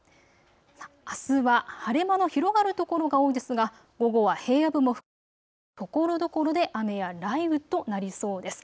あすは晴れ間の広がる所が多いですが午後は平野部も含めてところどころで雨や雷雨となりそうです。